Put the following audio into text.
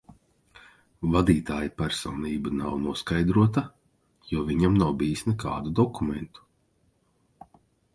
Vadītāja personība nav noskaidrota, jo viņam nav bijis nekādu dokumentu.